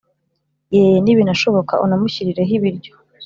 ye, nibinashoboka unamushyirireho ibiryo